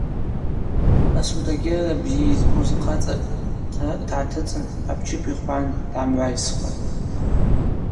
Асудагьарра бзи йызбуз хъацӏакӏ хъаракӏ дгӏатыцӏын хӏапчып йхвгӏан дгӏамгӏвайсхуан.